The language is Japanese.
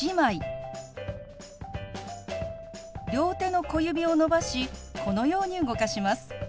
両手の小指を伸ばしこのように動かします。